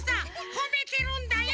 ほめてるんだよ！